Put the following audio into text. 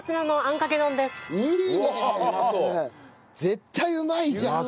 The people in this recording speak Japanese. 絶対うまいじゃん。